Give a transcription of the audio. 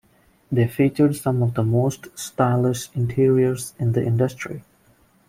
They featured some of the most stylish interiors in the industry.